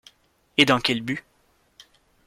et dans quel but